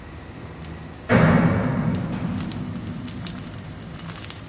On one side there were the "white" civil guards, who fought for the anti-Socialists.